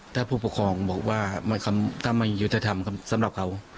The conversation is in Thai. ถ้าผู้ปกครองบอกว่าถ้าไม่ยุติธรรมสำหรับเขา